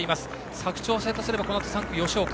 佐久長聖とすればこのあと３区、吉岡。